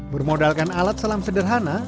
bermodalkan alat selam sederhana